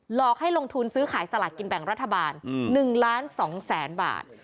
หลอกให้ลงทุนซื้อขายสลากกินแบ่งรัฐบาล๑ล้าน๒แสนบาท